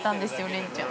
恋ちゃん。